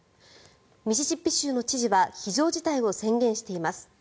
ミシシッピ州の知事は非常事態を宣言しています。